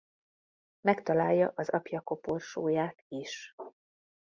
Megtalálja az apja koporsóját is.